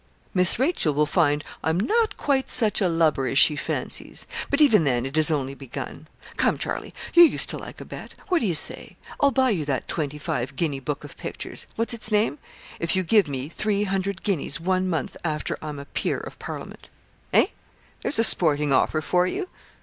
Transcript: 'Miss Rachel will find I'm not quite such a lubber as she fancies. But even then it is only begun. Come, Charlie, you used to like a bet. What do you say? I'll buy you that twenty five guinea book of pictures what's its name? if you give me three hundred guineas one month after I'm a peer of Parliament. Hey? There's a sporting offer for you.